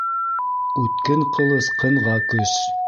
Үткен ҡылыс ҡынға көс